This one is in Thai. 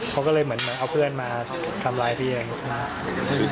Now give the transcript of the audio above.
เขาก็เลยเหมือนเอาเพื่อนมาทำร้ายพี่เองใช่ไหมครับ